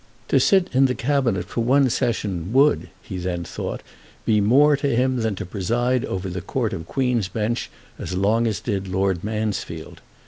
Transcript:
To sit in the Cabinet for one Session would, he then thought, be more to him than to preside over the Court of Queen's Bench as long as did Lord Mansfield.